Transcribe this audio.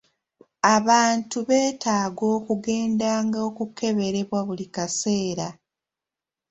Abantu beetaaga okugendanga okukeberebwa buli kaseera.